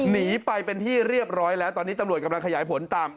หนีไปเป็นที่เรียบร้อยแล้วตอนนี้ตำรวจกำลังขยายผลตาม